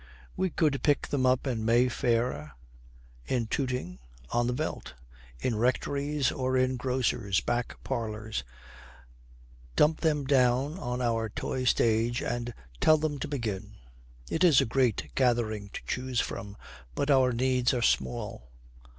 We could pick them up in Mayfair, in Tooting, on the Veldt, in rectories or in grocers' back parlours, dump them down on our toy stage and tell them to begin. It is a great gathering to choose from, but our needs are small.